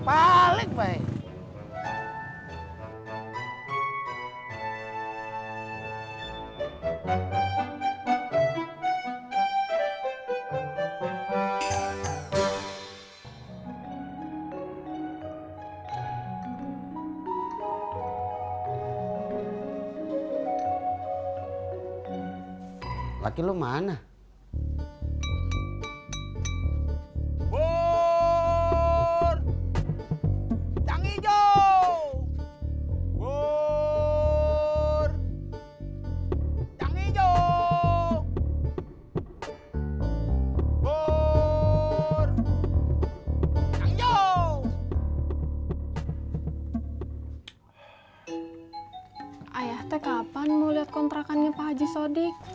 ayah teh kapan mau liat kontrakannya pak haji sodik